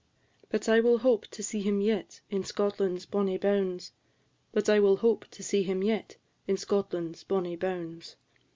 "But I will hope to see him yet, in Scotland's bonny bounds; But I will hope to see him yet, in Scotland's bonny bounds.